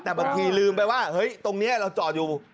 แต่บางทีลืมไปว่าเฮ้ยตรงนี้เราจอดอยู่